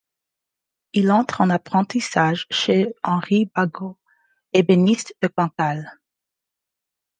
Il entre en apprentissage chez Henri Bagot, ébéniste de Cancale.